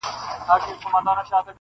كه دوږخ مو وي مطلب د دې خاكيانو -